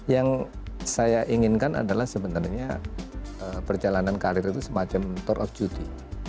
yang saya inginkan adalah sebenarnya perjalanan karir itu semacam tour of judi